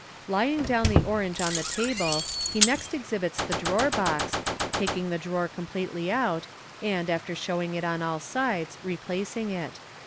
Laying down the orange on the table, he next exhibits the drawer box, taking the drawer completely out, and, after showing it on all sides, replacing it.